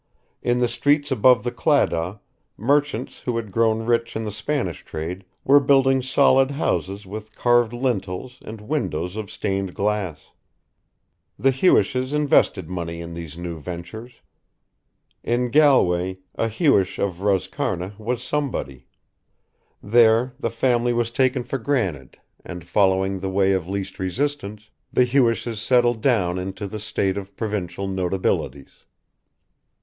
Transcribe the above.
In the streets above the Claddagh, merchants who had grown rich in the Spanish trade were building solid houses with carved lintels and windows of stained glass. The Hewishes invested money in these new ventures. In Galway a Hewish of Roscarna was somebody: there the family was taken for granted and, following the way of least resistance, the Hewishes settled down into the state of provincial notabilities.